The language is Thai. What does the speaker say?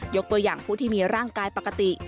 ตัวอย่างผู้ที่มีร่างกายปกติ